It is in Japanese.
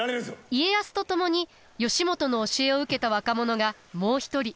家康と共に義元の教えを受けた若者がもう一人。